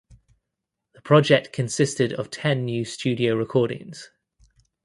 The project consisted of ten new studio recordings.